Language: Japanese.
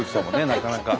なかなか。